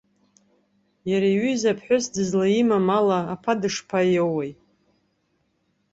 Иара иҩыза аԥҳәыс дызлаимам ала аԥа дышԥаиоуеи?